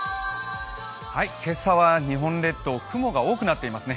今朝は日本列島雲が多くなってますね。